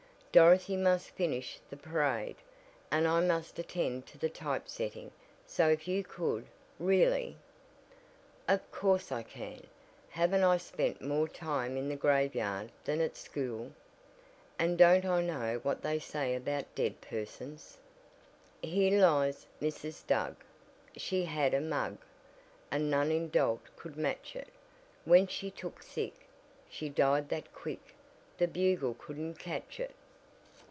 "Dorothy must finish the parade, and I must attend to the typesetting, so if you could, really, " "Of course I can. Haven't I spent more time in the graveyard than at school? And don't I know what they say about dead persons? "'Here lies Mrs. Doug, She had a mug, And none in Dalt could match it, When she took sick, She died that quick, The Bugle couldn't catch it.'